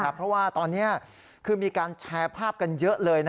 เพราะว่าตอนนี้คือมีการแชร์ภาพกันเยอะเลย